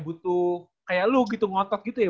butuh kayak lu gitu ngotot gitu ya